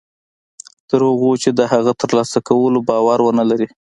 تر څو چې د هغه د تر لاسه کولو باور و نهلري